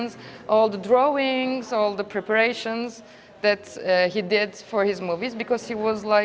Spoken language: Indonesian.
semua gambar semua persiapan yang telah dibuat untuk film filmnya